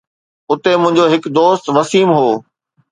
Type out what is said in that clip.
اتي منهنجو هڪ دوست وسيم هو